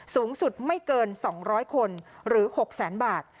สูงสุดไม่เกิน๒๐๐คนหรือ๖แสนบาท